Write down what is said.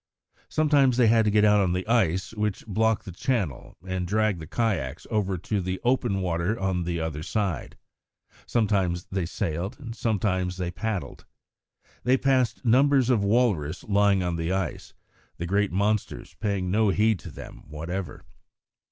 Sometimes they had to get out on to the ice which blocked the channel and drag the kayaks over to the open water on the other side; sometimes they sailed and sometimes they paddled. They passed numbers of walrus lying on the ice, the great monsters paying no heed to them whatever.